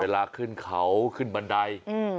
เวลาขึ้นเขาขึ้นบันได